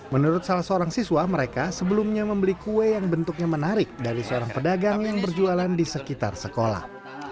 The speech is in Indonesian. menurut salah seorang siswa mereka sebelumnya membeli kue yang bentuknya menarik dari seorang pedagang yang berjualan di sekitar sekolah